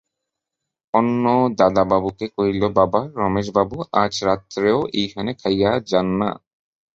অন্নদাবাবুকে কহিল, বাবা, রমেশবাবু আজ রাত্রেও এইখানেই খাইয়া যান-না।